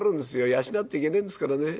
養っていけねえんですからね。